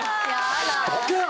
どけよ